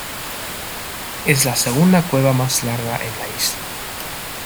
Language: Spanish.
Es la segunda cueva más larga en la isla.